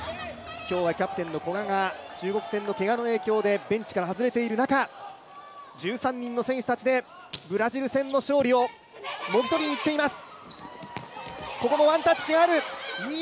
今日はキャプテン古賀が中国戦のけがの影響でベンチから外れている中、１３人の選手たちでブラジル戦の勝利をもぎ取りにきています。